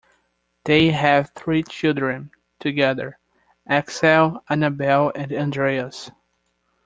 They have three children together, Aksel, Annabelle and Andreas.